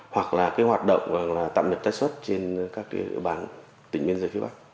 hoặc là hoạt động tạm nhập tách xuất trên các địa bàn tỉnh bến giới phía bắc